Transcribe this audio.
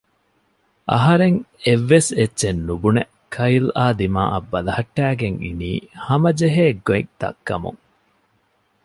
އަހަރެން އެއްވެސް އެއްޗެއް ނުބުނެ ކައިލްއާ ދިމާއަށް ބަލަހައްޓައިގެން އިނީ ހަމަޖެހޭ ގޮތް ދައްކަމުން